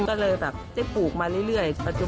ก็เลยแบบได้ปลูกมาเรื่อย